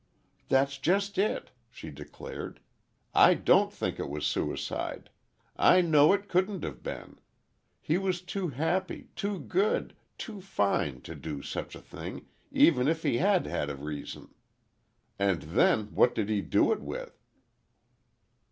"That's just it," she declared; "I don't think it was suicide, I know it couldn't have been. He was too happy, too good, too fine, to do such a thing, even if he had had a reason. And then, what did he do it with?"